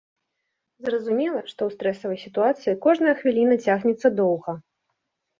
Зразумела, што ў стрэсавай сітуацыі кожная хвіліна цягнецца доўга.